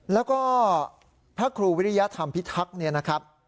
แล้วก็พระครูวิยธรรมพิทักษ์